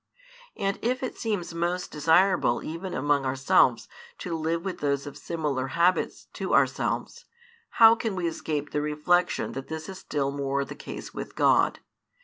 And if it seems most desirable even among ourselves to live with those of similar habits to ourselves, how can we escape the reflection that this is still more the case with God?